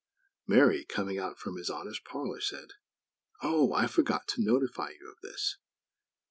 Mary, coming out from His Honor's parlor, said: "Oh, I forgot to notify you of this.